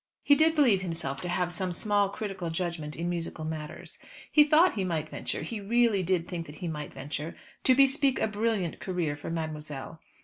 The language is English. He did believe himself to have some small critical judgment in musical matters. He thought he might venture he really did think that he might venture to bespeak a brilliant career for mademoiselle.